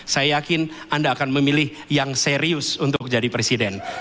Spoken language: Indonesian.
saya yakin anda akan memilih yang serius untuk jadi presiden